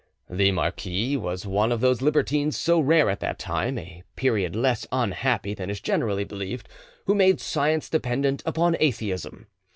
The marquis was one of those libertines so rare at that time, a period less unhappy than is generally believed, who made science dependent upon, atheism.